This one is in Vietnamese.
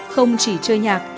không chỉ chơi nhạc